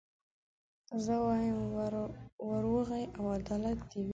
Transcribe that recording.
زه وايم وروغي او عدالت دي وي